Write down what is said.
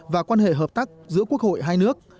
và quan hệ hợp tác giữa quốc hội hai nước